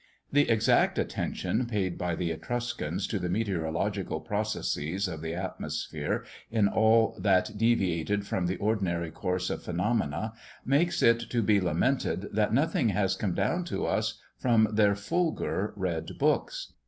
The exact attention paid by the Etruscans to the meteorological processes of the atmosphere in all that deviated from the ordinary course of phenomena, makes it to be lamented that nothing has come down to us from their Fulgur red books.